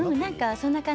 そんな感じ。